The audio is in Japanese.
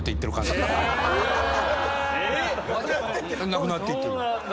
⁉なくなっていってる。